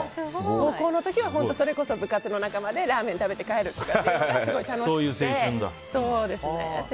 高校の時は部活の仲間でラーメン食べて帰るとかがすごい楽しくて。